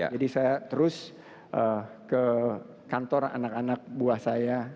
jadi saya terus ke kantor anak anak buah saya